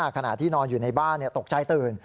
ขณะที่นอนอยู่ในบ้านตกใจตื่น